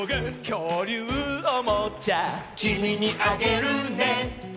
「きょうりゅうおもちゃ」「きみにあげるね」